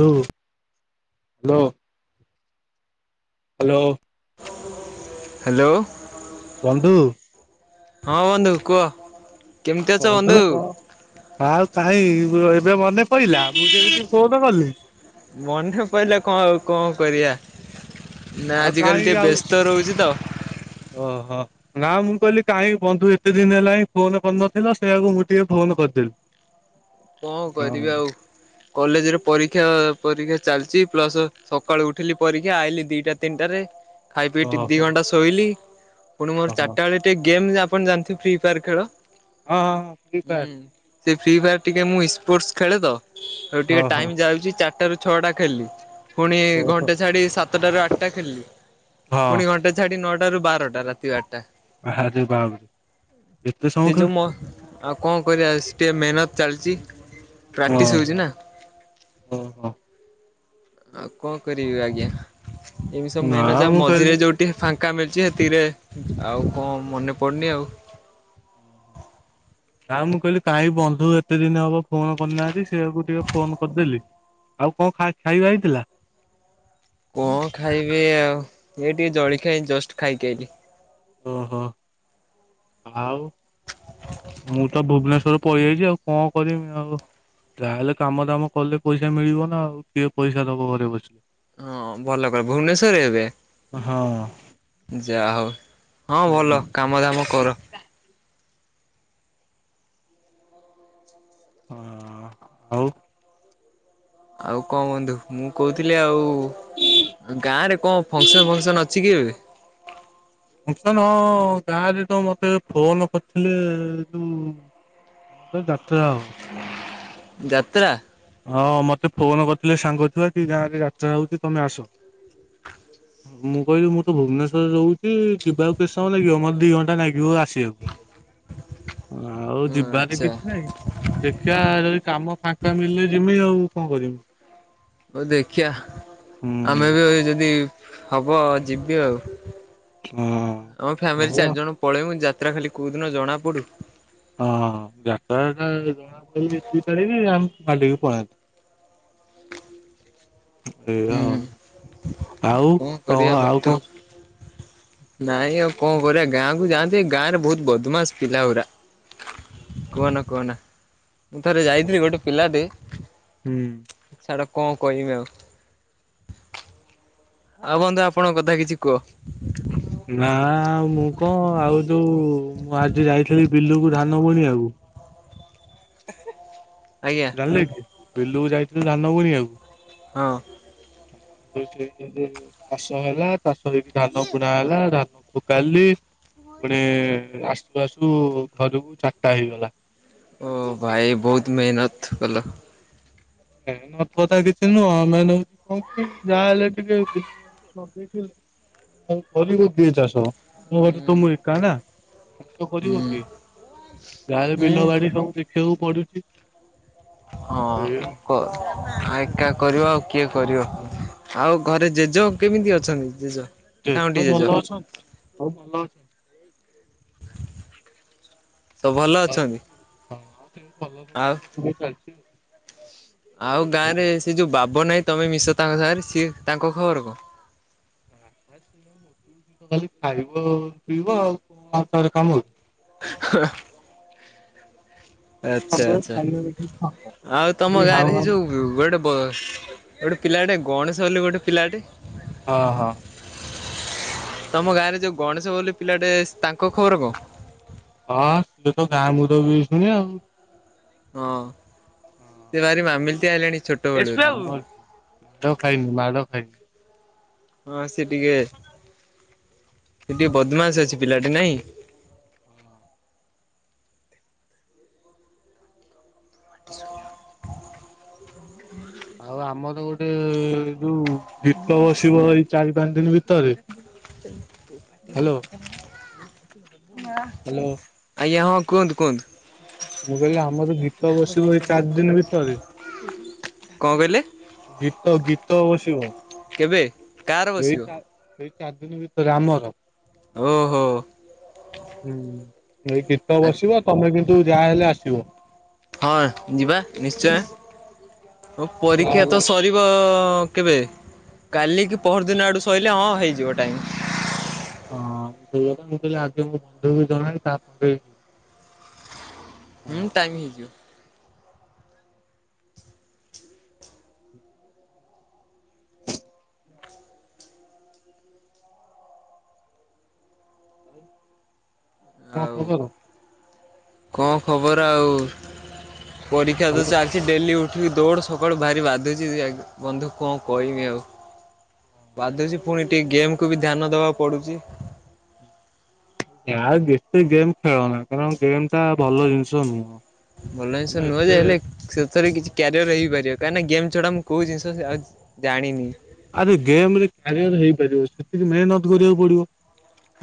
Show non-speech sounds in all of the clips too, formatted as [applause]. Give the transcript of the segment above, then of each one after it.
ହୁଁ hello. Hello. Hello. ବନ୍ଧୁ। ହଁ ବନ୍ଧୁ କୁହ କେମିତି ଅଛ ବନ୍ଧୁ? ଆ ଆଉ କାଇ ଏବେ ମନେ ପଇଲା। ମୁଁ ଯେମିିତି ଫୋନ କଲି। ମନେ ପାଇଲେ କ କଣ ଆଉ କଣ କରିବା ନା ଆଉ ଆଜିକାଲି ଟିକେ ବେସ୍ତ- - ତ ରହୁଛି ତ। ଓ ହୋ। ନା ମୁଁ କହିଲି କାଇଁ ବନ୍ଧୁ ଏତେ ଦିନ ହେଲା ହିଁ ଫୋନ କରିନଥିଲ ସେଇଆକୁ ମୁଁ ଟିକେ ଫୋନ କରିଦେଲି। କଣ ହଁ କରିବି ଆଉ। କଲେଜରେ ପରୀକ୍ଷା ପରୀକ୍ଷା ଚାଲିଛି ପ୍ଲସ ସକାଳୁ ଉଠିଲି ପରୀକ୍ଷା ଆଇଲିି ଦିଟା ତିନିଟାରେ ଖାଇ ପିଇ ଟିକେ ଦି ଓହୋ ଘଣ୍ଟା ଶୋଇଲି ପୁଣି ମୋର ଓହୋ ଚାରିଟା ବେଳେ ଗୋ ଗେମ୍ ଆପଣ ଜାଣିଥିବେ ଫି ଫେୟାର ଖେଳ ହଁ ହଁ ଫ୍ରି ଫାୟାର ସେ ଫିଫେୟାର ଟିକେ ମୁଁ ସ୍ପୋର୍ଟସ ଖେଳେ ତ ଆଉ ହଁ ଟିକେ ହଁ ଟାଇମ ଯାଉଛି ଚାରିଟାରୁୁ ଛଅଟା ଖେଳି ପୁଣି ଓହୋ ଘଣ୍ଟେ ଛାଡି ସାତଟାରୁ ଆଠଟା ଖେଳିଲି ହଁ ପୁଣି ଘଣ୍ଟେ। ସାଢ ନଅଟା ରୁ ବାରଟା ରାତି ବାରଟା ବାାରେ ବାହାଘରେ ଏତେ ସେ ସମୟ ଯୋଉ ମ ଖେଳୁଛ ଆଉ କଣ କରିବା ସିଏ ଟିକେ ମେହନତ ଚାଲିଛି ପ୍ରାକ୍ଟିସ ଓହୋ ହଉଛି ନା ଓହୋ। ଆଉ କଣ କରିବି ଆଜ୍ଞା ଏମିତି ସବୁ ନା ମେହନତ ଯା ମୁଁ କହିଲି ମଝିରେ ଯୋଉଠି ଟିକେ ଫାଙ୍କା ମିଳିଛି ସେତିକିରେ ଆଉ କଣ ମନେ ପଡ଼ୁନି ଆଉ ନା ମୁଁ କହିଲି କାହିଁ ବନ୍ଧୁ ଏତେ ଦିନ ହବ ଫୋନ କରିନାହାନ୍ତି ସେଇଆକୁ ଟିକେ ଫୋନ କରିଦେଲି ଆଉ କଣ ଖାଇ ଖାଇବା ହେଇଥିଲା? କଣ ଖାଇବି ଆଉ ଏଇ ଟିକେ ଜଳଖିଆ ଏଇ ଜଷ୍ଟ ଖାଇକି ଆଇଲି। ଓହୋ ଆଉ ମୁଁ ତ ଭୁବନେଶ୍ଵର ପଳେଇଆଇଛି ଆଉ କଣ? କରିମି ଆଉ ଯାହାହେଲେ କାମ ଦାମ କଲେ ପଇସା ମିଳିବ ନା ଆଉ କିଏ ପଇସା ଦବ ଘରେ ବସିଲେ ହଁ ଭଲ କର ଭୁବନେଶ୍ଵରରେ ଏବେ ହଁ ଯା ହଉ ହଁ ଭଲ ହୁଁ କାମଦାମ କର। ହଁ ଆଉ? ଆଉ କଣ ବନ୍ଧୁ ମୁଁ କହୁଥିଲି ଆଉ ଗାଁ ରେ କଣ ଫଙ୍କସନ ଫଙ୍କସନ ଅଛି କି ଏବେ? ଫନସନ ହଁ ଗାଁରେ ତ ମତେ ଫୋନ କରିଥିଲେ ଯୋଉ କଣ ଯାତ୍ରା ଆଉ ଯାତ୍ରା? ହଁ ମତେ ଫୋନ କରିଥିଲେ ସାଙ୍ଗ ଛୁଆ କି ଗାଁରେ ଯାତ୍ରା ହଉଛି ତମେ ଆସ ମୁଁ କହିଲି ମୁଁ ତ ଭୁବନେଶ୍ଵରରେ ରହୁଛି ଯିବାକୁ କେତେ ସମୟ ଲାଗିବ ମୋତେ ଦି ଘଣ୍ଟା ଲାଗିବ ଆସ ଆଉ ଯିବାନି ରେ ଆଚ୍ଛା। କିଛି ନାଇଁ ଦେଖିବା ଯଦି କାମ ଫାଙ୍କା ମିଲିଲେ ଯିବି ଆଉ କଣ କରମି ହଉ ଦେଖିବା ହୁଁ ହଁ। ଆମେ ବି ଯଦି ହବ ଯିବି ଆଉ ଆମ ଫ୍ୟାମିଲି ହଉ ଚାରି ଜଣ ପଳେଇବୁ ଯାତ୍ରା ଖାଲି କୋଉ ଦିନ ଜଣା ପଡୁ ହଁ ଯାତ୍ରା ଜଣା ଏତିି ତାରିଖ ଆମେ ମାାଲିକି ପଳାନ୍ତୁ ଏ ହୁଁ ଆଉ କରିବା କଣ ଆଉ ବନ୍ଧୁ କଣ? ନାଇଁ ଆଉ କଣ କରିବା ଗାଁ କୁ ଯାଆନ୍ତି ଗାଁ ରେ ବହୁତ ବଦମାସ ପିଲା ଗୁରା କୁହନା କୁହନା ମୁଁ ଥରେ ଯାଇଥିଲି ଗୋଟେ ପିଲାଟେ ହୁଁ। ଛାଡା କଣ କହିମି ଆଉ ଆଉ ବନ୍ଧୁ ଆପଣଙ୍କ କଥା କିଛି କୁହ? ନା ଆଉ ମୁଁ କଣ ଆଉ ଯୋଉ ମୁଁ ଆଜି ଯାଇଥିଲି ବିଲୁକୁ ଧାନ ବୁଣିବାକୁ ଆଜ୍ଞା। [inaudible] ବିଲୁକୁ ଯାଇଥିଲୁ ଧାନ ବୁଣିବାକୁ ହଁ। [inaudible] ଚାଷ ହେଲା ଚାଷ ହେଇକି ଧାନ ବୁଣା ହେଲା ଧାନ ମୁ କାଲି ମାନେ ଆସୁ ଆସୁ ଘରକୁ ଚାରିଟା ହେଇଗଲା ଓ ଭାଇ ବହୁତ ମେହନତ କଲ। ନାଇଁ ନତ କଥା କିଛି ନୁହଁ ଆମେ ନଉଛି କହ କି ଯାହାହଲେ ଟିକେ ବିଲ [inaudible] ଘରେ ହୁଁ ତ ମୁ ଏକା ନା [inaudible] କରିବା ହୁଁ କିଏ? ଗାଁରେ ହୁଁ ବିଲ ବାଡି ସବୁ ଦେଖିବାକୁ ପଡୁଛି ଏଇଆ ହଁ କ ଏକା କରିବ ଆଉ କିଏ କରିବ ହୁଁ। ଆଉ ଘରେ ଜେଜ କେମିତି ଅଛନ୍ତି ଜେଜ? ଜେଜ ଭଲ ଅଛନ୍ତି। ସବୁ ଭଲ ଅଛନ୍ତି। ସବୁ ଭଲ ଅଛନ୍ତି। ହଁ ସେ ଭଲ ସବୁ ଆଉ ଦୁଃଖେ ସୁଖେ ଚାଲିଛି ଆଉ। ଆଉ ଗାଁ ରେ ସେ ଯୋଉ ବାବନାଇଁ ତମେ ମିଶ ତାଙ୍କ ସାଙ୍ଗରେ ସିଏ ତାଙ୍କ ଖବର କଣ? ଆ ଖାଲି ଖାଇବ ପିଇବ ଆଉ କଣ ତାରେ କାମ ହୋଉଚି। ହ। ଆଚ୍ଛା ସବୁବେଳେ ଆଚ୍ଛା ଖାଇବା ଆଉ ତମ ଦେଖିକି ଗାଁରେ ହେ ଯୋଉ ଗୋଟେ ଗୋଟେ ପିଲାଟେ ଗଣେଶ ବୋଲି ଗୋଟେ ପିଲାଟେ ହ ହ। ତମ ଗାଁରେ ଯୋଉ ଗଣେଶ ବୋଲି ପିଲାଟେ ତାଙ୍କ ଖବର କଣ? ହଁ ସେତ ଗାଁ ମୁରବି ହେଇଚନ୍ତି ଆଉ। ହଁ ସେ ଭାରି ମାମିଲିତିଆ ହେଲେଣି ଛୋଟ ବେଳୁ। ଆପ୍ ଗନ ମାଡ ଖାଇନି ମାଡ ଖାଇନି। [unintelligible] ହଁ ସେ ଟିକିଏ ସେ ଟିକିଏ ବଦମାସ ଅଛି ପିଲାଟି ନାଇଁ? [inaudible] ଆଉ ଆମର ଗୋଟେ ଯୋଉ ଗୀତ ବସିବ ଏଇ ଚାରି ପାଞ୍ଚ ଦିନି ଭିତରେ [inaudible] ହ୍ୟାଲୋ ନା। ହାଲୋ। ଆଜ୍ଞା ହଁ କୁହନ୍ତୁ ମୁଁ କହିଲି ଆମର କୁହନ୍ତୁ। ଗୀତ ବସିବ ଏଇ ଚାରି ଦିନ ଭିତରେ କଣ କହିଲେ? ଗୀତ ଗୀତ ବସିବ। କେବେ? କାର ଏଇ ବସିବ ଚାରି ଏଇ ଚାରି ଦିନି ଭିତରେ ଆମର। ଓହୋ। ହୁଁ ଏଇ ଗୀତ ବସିବ। ତମେ କିନ୍ତୁ ଯାହାହଲେ ଆସିବ। ହଁ ଯିବା ନିଶ୍ଚୟ ତୋପରୀକ୍ଷା ଯାହାହେଲେ ତ ସରି ବ କେବେ? କାଲି କି ପହର ଦିନ ଆଡୁ ସଇଲେ ହଁ ହେଇଯିବ ଟାଇମ୍। ହଁ ସେଇଗଥା ମୁଁ କହିଲି ଆଗ ମୁ ବନ୍ଧୁ ବି ଜଣା ତାପରେ [unintelligible] ହୁଁ ହଁ ଟାଇମ୍ ହେଇଯିବ। [inaudible] ଆଉ ଖବର କଣ ଖବର ଆଉ? ପରୀକ୍ଷା ତ ଭଲ ଚାଲ କି ଡେଲି ଉଠିକି ଦୌଡ ସକାଳୁ ଭାରି ବାଧୁଚି ବନ୍ଧୁ କଣ କହିବି ଆଉ। ବାଧୁଚି ପୁଣି ଟିକେ ଗେମ୍ କୁ ବି ଧ୍ୟାନ ଦେବାକୁ ପଡୁଚି। ଆଉ ଯେତେ ଗେମ୍ ଖେଳନା କାରଣ ଗେମ୍ ଟା ଭଲ ଜିନିଷ ନୁହଁ। ମନ ଇଛା ତମେ ନୁହେଁ ଏତେ ଯେ ହେଲେ ସେଥେରେ କିଛି କ୍ୟାରିୟର ହେଇପାରିବ। କାହିଁକିନା ଗେମ୍ ଛଡ଼ା ମୁଁ କୋଉ ଜିନିଷ ଆଉ ଜାଣିନି। ଆରେ ଗେମ୍ ରେ କ୍ୟାରିୟର ହେଇପାରିବ। ସେତିକି ମେହେନତ୍ କରିବାକୁ ପଡିବ।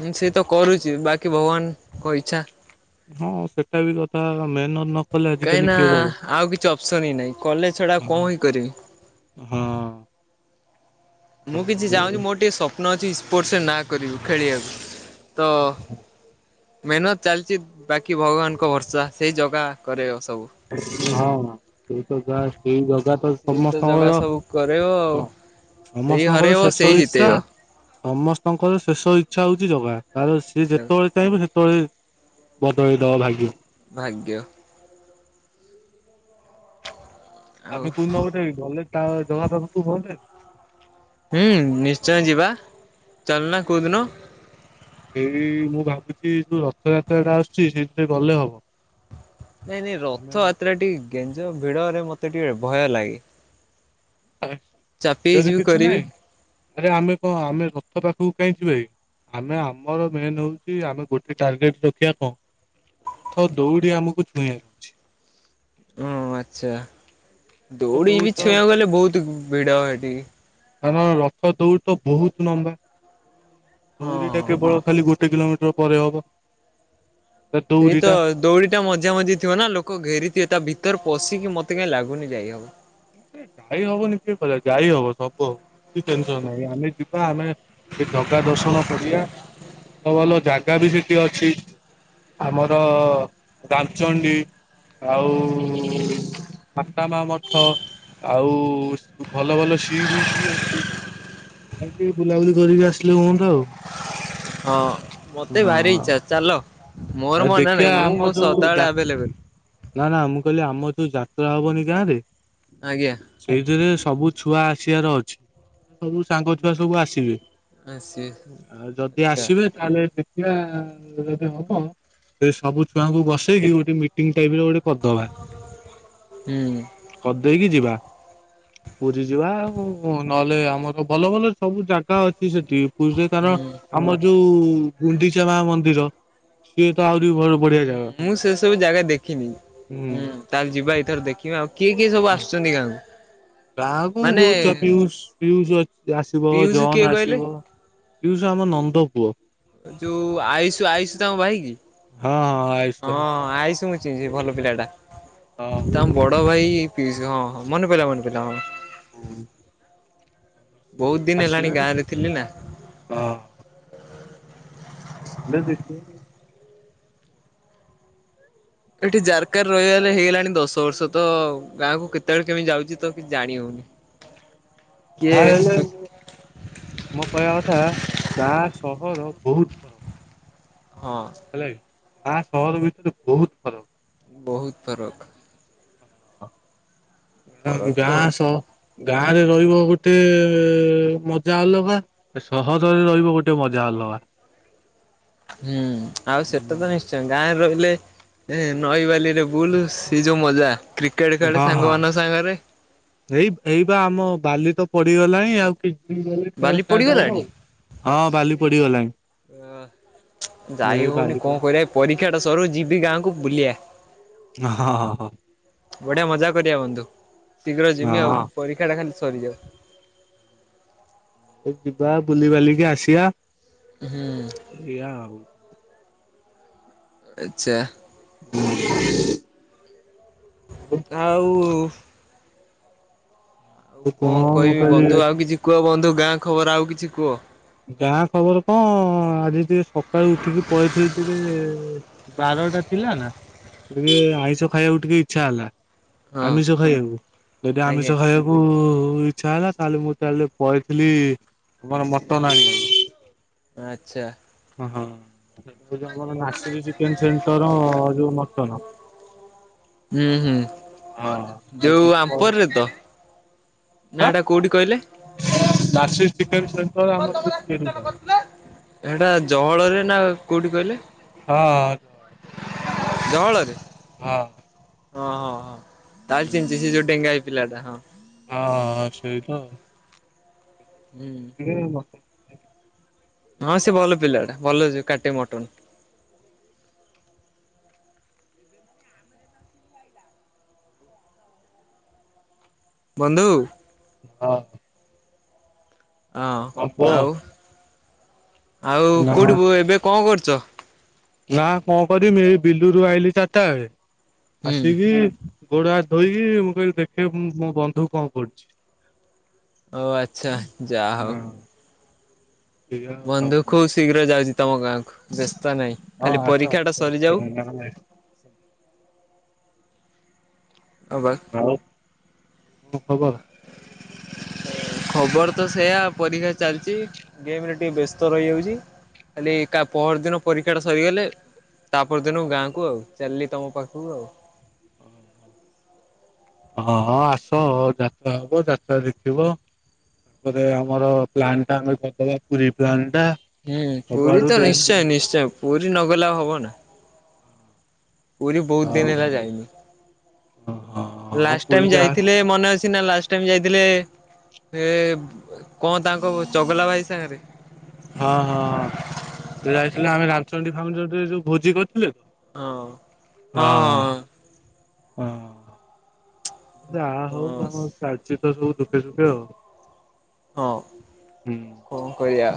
ମୁଁ ସେ ତ କରୁଚି। ବାକି ଭଗବାନଙ୍କ ଇଚ୍ଛା। ହଁ ସେଟା ବି କଥାହେଲା ମେହେନନ। କାହିଁକି ନା ଆଉ କିଛି ଅପସନ ହିଁ ନାହିଁ କଲେଜ ଛଡା କଣ ହିଁ କରିବି। ହଁ। ମୁଁ କିଛି ଚାହୁଁଛି ମୋର ଟିକିଏ ସ୍ୱପ୍ନ ଅଛି ସ୍ପୋର୍ଟସରେ ନା କରିବୁ ଖେଳିବାକୁ। ତ ମେହନତ ଚାଲିଛି, ବାକି ଭଗବାନଙ୍କ ଭରସା। ସେଇ ଜଗା କରେଇବ ସବୁ। ହଁ, ସେଇା ସେଇ ଜାଗା ତ ସେଇ ଜଗା ସମସ୍ତଙ୍କର। ସବୁ କରେଇବ ଆଉ [inaudible] ସେଇ ସମସ୍ତଙ୍କର ହରେଇବ ଶେଷ ସେଇ ଇଚ୍ଛା। ଜିତେଇବ। ସମସ୍ତଙ୍କର ଶେଷ ଇଚ୍ଛା ହଉଛି ଜଗା। ତାର ସିଏ ଯେତେବେଳେ [unintelligible] ସେତେବେଳେ ବଦେଳିବ ଭାଗ୍ୟ। ଭାଗ୍ୟ। ଆଉ ଆମେ କଉ ଦିନ ଗୋଟେ ଗଲେ ତା ଜଗା ପାଖକୁ ହୁଅନ୍ତାନି? ହୁଁ, ନିଶ୍ଚୟ ଯିବା। ଚାଲନା, କୋଉଦିନ। ଏଇ, ମୁଁ ଭାବୁଛି, ଯୋଉ ରଥଯାତ୍ରା ଟା ଆସୁଛି, ସେଇଥିରେ ଗଲେ ହବ। ନାଇଁ ନାଇଁ, ଆମେ ରଥଯାତ୍ରା ଟିକେ ଗେଞ୍ଜ ଭିଡରେ, ମତେ ଟିକେ ଭୟ ଲାଗେ। ଚାପି [unintelligible] ହେଇଯିବି କିଛି କରିବି ନାଇଁ। ଆରେ, ଆମେ କଣ ଆମେ ରଥ ପାଖକୁ କାହିଁ ଯିବାକି? ଆମେ ଆମର ମେନ ହଉଛି, ଆମେ ଗୋଟେ ଟାର୍ଗେଟ ରଖିବା, କଣ? ରଥ ଦୌଡି ଆମକୁ ଛୁଇଁ। ଓ, ଆଚ୍ଛା! ରଥ ଦୌଡି ବି ତ ଛୁଇଁବାକୁ ଗଲେ ବହୁତ ଭିଡ ସେଠି। ଧର ରଥ ଦୌଡ଼ି ତ ବହୁତ ଲମ୍ବା। ଦୌରୀ ଟା କେବଳ ଖାଲି ଗୋଟେ କିଲୋମିଟର ପରେ ହବ। ତା ସେଇ ତ ଦୌଡିଟା ଦୌଡ଼ି ଏଟା ମଜା ମଜି ଥିବ ନା, ଲୋକ ଘେରିଥିବ। ତା ଭିତରେ ପଶିକି ମତେ କାହିଁ ଲାଗୁନି, ଯାଇହବ। ଯାଇ ହବନି? କିଏ କହିଲା ଯାଇ ହବ ସବୁ ହବ। କିଛି ଟେନସନ୍ ନାହିଁ, ଆମେ ଯିବା, ଆମେ ଏ ଜାଗା ଦର୍ଶନ କରିବା, ଭଲ ଭଲ ଜାଗା ବି ସେଠି ଅଛି। ଆମର ଦାଲଚଣ୍ଡୀ, ଆଉ ମାତା ମା ମ ଠ, ଆଉ ଭଲ ଭଲ ସି ବିଚ ବି ଅଛି। ଏମିତି ବୁଲାବୁଲି କରିକି ଆସିଲେ ହୁହନ୍ତା ଆଉ। ହଁ, ମତେ ହଁ ଭାରି ଇଚ୍ଛା। ଚାଲ! ମୋର ଆଉ ମନା ଦେଖିବା ନାହିଁ, ମୁଁ ଆମ ବ ଯୋଉ ଯା ସଦାବେଳେ ଆଭେଲେବଲ୍। ନା ନା, ମୁଁ କହିଲି, ଆମର ଯୋଉ ଯାତ୍ରା ହବନି ଗାଁ ରେ। ଆଜ୍ଞା। ସେଇଥିରେ ସବୁ ଛୁଆ ଆସିବାର ଅଛି। ସବୁ ସାଙ୍ଗ ଛୁଆ ସବୁ ଆସିବେ, ଆସିବେ ଆଉ ଯଦି ଆଚ୍ଛା ଆସିବେ ତାହେଲେ ଦେଖିବା, ଯଦି ହବ ସେ ସବୁ ଛୁଆଙ୍କୁ ବସେଇକି ଗୋଟେ ମିଟିଂ ଟାଇପର ଗୋଟେ କରିଦବା। ହୁଁ। କରି ଦେଇକି ଯିବା। ପୁରୀ ଯିବା, ଆଉ ନହେଲେ ଆମର ଭଲ ଭଲ ସବୁ ଜାଗା ଅଛି ସେଠି। ପୁରୀ ରେ ତାର ହୁଁ ଆମ ଯୋଉ ଗୁଣ୍ଡିଚା ମା ମନ୍ଦିର, ସିଏ ତ ଆହୁରି ଭଲ। ବଢିଆ ହୁଁ, ଜାଗା ମୁଁ ସେ ସବୁ ଜାଗା ଦେଖିନି। ହୁଁ, ତାହେଲେ ଯିବା। ଏଇଥର ଦେଖିବା ଆଉ। କିଏ କିଏ ସବୁ ଆସିୁଛନ୍ତି ଗାଁ କୁ? ବାହା ହବୁ, ବହୁତ ପିଉ ପିଉଷ ଆସିବ, ପିୟୁଷ କିଏ ଜନ କହିଲେ ଆସିବ। ପିୟୁଷ ଆମର ନନ୍ଦ ପୁଅ। ଯୋଉ ଆୟୁଷ ଆୟୁଷ ତାଙ୍କ ଭାଇକି? ହଁ ହଁ ଆୟୁଷ ହଁ, ଭାଇ ଆୟୁଷ ମୁ ଭଲ ପିଲାଟା। ହଁ। ତମ ବଡ଼ ଭାଇ ପିଇଶି? ହଁ ହଁ, ମନ ପଇଲା ମନେ ପଇଲା ହଁ। ହୁଁ। ବହୁତ ଦିନ ହେଲାଣି ଗାଁରେ ଥିଲି ନା। [inaudible] [inaudible] ଏଠି ଜାରକାରେ ରହିବାରେ ହେଇଗଲାଣି ଦଶ ବର୍ଷ ତ ଗାଁକୁ କେତେବେଳେ କେମିତି ଯାଉଛି ତ କିଛି ଜାଣି ହଉନି। [inaudible] କିଏ ଯାହା ହେଲେ ମୋ କହିବା କଥା ଗାଁ ସହର ବହୁତ ଫରକ୍। ହଁ। ହେଲାକି ଗାଁ ସହର ଭିତରେ ବହୁତ ଫରକ। ବହୁତ ଫରକ୍। ଫରକ ତ ଗାଁ ଅଛି। ସ ଗାଁରେ ରହିବ ଗୋଟେ ମଜା ଅଲଗା। ସହରରେ ରହିବ ଗୋଟେ ମଜା ଅଲଗା। ହୁଁ ଆଉ ସେତେବି ନି ଗାଁରେ ରହିଲେ ନଈ ବାଲିରେ ବୁଲ୍ ସେ ଯୋଉ ମଜା। କେଡେ କାଡେ ହଁ ହଁ। ସାଙ୍ଗମାନଙ୍କ ସାଙ୍ଗରେ ଏଇ ଏଇ ବା ଆମ ବାଲି ତ ପଡିଗଲାଇଁ ବାଲି ଆଉ। ପଡିଗଲାଣି? ହଁ ବାଲି ପଡିଗଲାଇଁ। ଯାଇ ବାଲି ହଉନି। ହଁ କଣ କରିବା? ପରୀକ୍ଷା ଟା ସରୁ ଯିବି ଗାଁକୁ ବୁଲିବା। ହଁ ହଁ ହଁ। ବଢିଆ ମଜା କରିବା ବନ୍ଧୁ। ଶୀଘ୍ର ଯିମି ଆଉ ହଁ। ପରୀକ୍ଷା ଟା ଖାଲି ସରିଯାଉ। ଏ ଯିବା ବୁଲିିବାଲିକି ଆସିବା। ହୁଁ। ଏଇଆ ଆଉ। ଆଛା। [inaudible] ଆଉ ଆଉ କଣ କହିବି ବନ୍ଧୁ? ଆଉ କିଛି କୁହ ବନ୍ଧୁ। ଗାଁ ଖବର ଆଉ କିଛି କୁହ। ଗାଁ ଖବର କଣ? ଆଜି ଟିକେ ସକାଳୁ ଉଠିକି ପଳେଇଥିଲି ଟିକେ। ବାର ଟା ଥିଲା ନା। ଟିକେ ଆଇଁଷ ଖାଇବାକୁ ଟିକେ ଇଚ୍ଛା ହେଲା। ହଁ ଆମିଷ ଖାଇବାକୁ। ଯଦି ଆଜ୍ଞା ଆମିଷ ଖାଇବାକୁ ଇଚ୍ଛା ହେଲା। ତା ହେଲେ ମୁଁ ତା ହେଲେ ପଳେଇଥିଲି ଆମର ମଟନ ଆଣବାକୁ। ଆଚ୍ଛା। ସେ ଟା ଆମର ମାର୍ସିଜ୍ ଚିକେନ୍ ସେଣ୍ଟର ଯୋଉ ମଟନ। ହଁ ଯୋଉ ଆମ୍ପରରେ ତ ନାଁ ଏଟା କୋଉଠି କହିଲେ? ନାସିର ଚିକେନ ସେଣ୍ଟର ଆମର ହଉଛି ବେଲୁଦା ସେଟା ଜଅଁଳରେ ନା କୋଉଠି କହିଲେ? ହଁ। ଜଆଁଳରେ ହଁ। ଓଁ ହୋ ହଁ ହଁ ତା ହେଲେ ଚିିହିଁଚି ସେ ଯୋଉ ଡେଙ୍ଗା ହେଇ ପିଲାଟା। ହଁ। ଆ ସେଇ ତ ଆଉ। ହୁଁ। ମତେ ହଁ ସେ ଭଲ ପିଲାଟା ଭଲ ଟା। ଭଲ ସେ କାଟେ ମଟନ। ବନ୍ଧୁ ହଁ। କଣ ହଁ କୁହ ଆଉ। ଆଉ ନା କୋଉଠି? ଏବେ କଣ କରୁଚ? ନା କଣ କରବି ଏଇ ବିଲୁରୁ ଆଇଲି ଚାରିଟା ବେଳେ ହୁଁ। ଆସିକି ଗୋଡହାତ ଧୋଇକି ମୁଁ କହିଲି ଦେଖେ ମୋ ବନ୍ଧୁ କଣ କରୁଚି? ଓ ଆଚ୍ଛା, ଯା ହଉ। ହଁ ଏଇଆ ଆଉ ବନ୍ଧୁ ଖୁବ୍ ଶୀଘ୍ର ଯାଉଚି ତମ ଗାଁକୁ ବ୍ୟସ୍ତ ନାହିଁ ହଁ ଖାଲି ଆସ ଆସ ପରୀକ୍ଷାଟା ସରିଯାଉ [unintelligible] [unintelligible] ଆଉ [unintelligible] କଣ ଖବର? [unintelligible] ଖବର ତ ସେଇୟା ପରୀକ୍ଷା ଚାଲିଚି ଗେମରେ ଟିକେ ବ୍ୟସ୍ତ ବ୍ୟସ୍ତ ରହିଯାଉଚି ହଁ କାଲି କା ପହରଦିନ ପରୀକ୍ଷାଟା ସରିଗଲେ ତା ପରଦିନ ଗାଁକୁ ଆଉ ଚାଲିଲି ତମ ପାଖକୁ ଆଉ ଓଁ ହୋ ହଁଁ ହଁ ଆସ ଯାତ୍ରା ହବ ଯାତ୍ରା ଦେଖିବ। ତାପରେ ଆମର ପ୍ଲାନ୍ ଟା ଆମେ କରିଦବା ପୁରୀ ପ୍ଲାନ୍ ଟା। ହୁଁ ପୁରୀ ସବୁଆଡୁ ତ ଦେଇ ନିଶ୍ଚୟ ସବୁ ନିଶ୍ଚୟ ପୁରୀ ନଗଲେ ଆଉ ହବ ନା ପୁରୀ ବହୁତ ଆଉ ଦିନ ହେଲା ଯାଇନି [unintelligible] ହଁ ଲାଷ୍ଟ ପୁରୀ ଟାଇମ୍ ଯା ଯାଇଥିଲେ। ମନେ ଅଛି ନା ଲାଷ୍ଟ ଟାଇମ୍ ଯାଇଥିଲେ। [unintelligible] ହଁ ତାଙ୍କ ଚଗଲା ଭାଇ ସାଙ୍ଗରେ ହଁ ହଁଁ ଯାଇଥିଲେ ଆମେ ରାମଚଣ୍ଡୀ ଫାମଚଣ୍ଡୀ ଯୋଉ ଭୋଜି କରିଥିଲେନି [unintelligible] ହଁ। ହଁ, ହଁ, ହଁ। ଯା ହଁ ହଉ ଆମ ଚାଲିଚି ତ ସବୁ ଦୁଃଖେ ସୁଖେ ଆଉ ହଁ ହୁଁ। [unintelligible] କଣ କରିଆ?